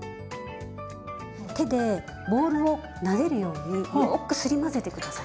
手でボウルをなでるようによくすり混ぜて下さい。